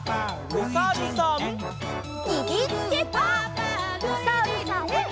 おさるさん。